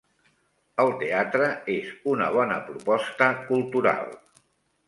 El teatre és una bona proposta cultural.